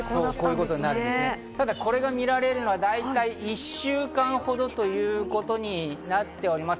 これが見られるのは大体１週間程ということになっております。